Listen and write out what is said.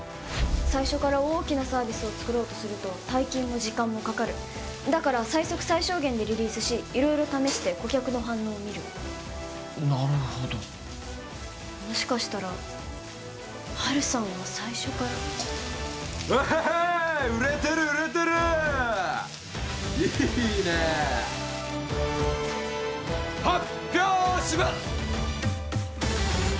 最初から大きなサービスを作ろうとすると大金も時間もかかるだから最速最小限でリリースし色々試して顧客の反応を見るなるほどもしかしたらハルさんは最初からウェーイ売れてる売れてるいいね発表します！